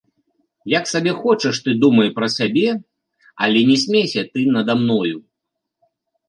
Як сабе хочаш ты думай пра сябе, але не смейся ты нада мною.